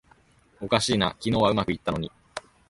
おかしいな、昨日はうまくいったのに